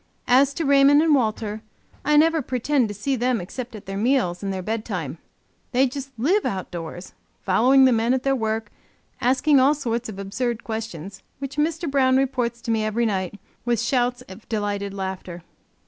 As to Raymond and Walter, I never pretend to see them except at their meals and their bedtime; they just live outdoors, following the men at their work, asking all sorts of absurd questions, which Mr. Brown reports to me every night, with shouts of delighted laughter.